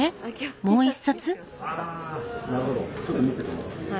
もう一冊？